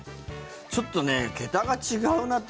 ちょっとね、桁が違うなって。